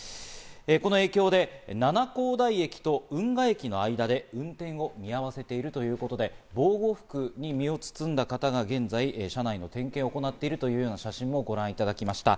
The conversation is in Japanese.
この影響で七光台駅と運河駅の間で運転を見合わせているということで、防護服に身を包んだ方が現在、車内の点検を行っているという写真をご覧いただきました。